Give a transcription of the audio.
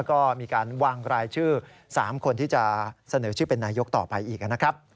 ก็มีการวางรายชื่อ๓คนที่จะเสนอชื่อเป็นนายกต่อไปอีกนะครับ